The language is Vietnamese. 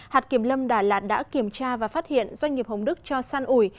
hạt kiểm lâm đà lạt đã kiểm tra và phát hiện doanh nghiệp hồng đức cho săn ủi